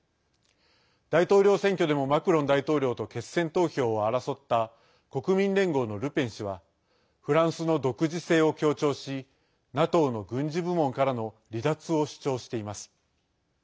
大統領選挙でもマクロン大統領と決選投票を争った国民連合のルペン氏はフランスの独自性を強調しＮＡＴＯの軍事部門からの離脱を主張しています。